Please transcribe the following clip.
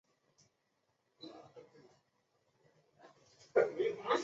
张五常毕业于美国加利福尼亚大学洛杉矶分校经济学系。